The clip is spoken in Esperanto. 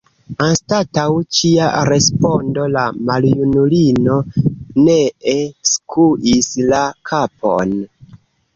Anstataŭ ĉia respondo la maljunulino nee skuis la kapon.